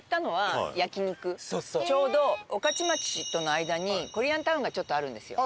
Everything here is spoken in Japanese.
ちょうど御徒町との間にコリアンタウンがちょっとあるんですよ。